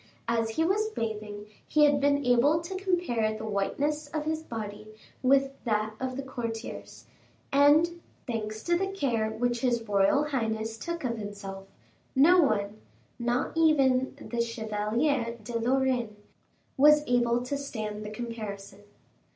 As he was bathing he had been able to compare the whiteness of his body with that of the courtiers, and, thanks to the care which his royal highness took of himself, no one, not even the Chevalier de Lorraine, was able to stand the comparison.